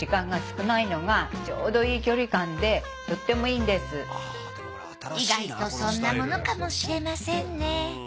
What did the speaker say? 意外とそんなものかもしれませんね。